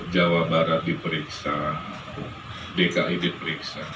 jawa barat diperiksa dki diperiksa